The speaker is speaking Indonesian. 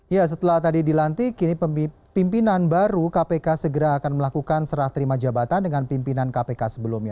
ya setelah tadi dilantik kini pimpinan baru kpk segera akan melakukan serah terima jabatan dengan pimpinan kpk sebelumnya